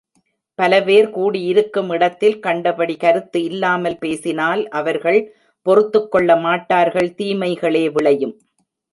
பலபேர் கூடி இருக்கும் இடத்தில் கண்டபடி கருத்து இல்லாமல் பேசினால் அவர்கள் பொறுத்துக்கொள்ள மாட்டார்கள் தீமைகளே விளையும்.